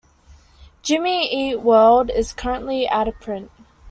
"Jimmy Eat World" is currently out of print.